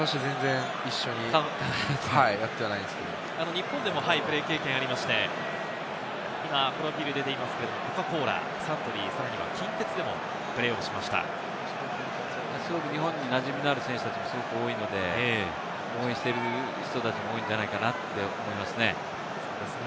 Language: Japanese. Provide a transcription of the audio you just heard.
日本でもプレー経験がありまして、今、プロフィルが出ていますが、コカ・コーラ、サントリー、さらには近鉄でもプレーをしましすごく日本になじみのある選手たちもすごく多いので、応援している人たちも多いんじゃないかなって思いますね。